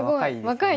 若い。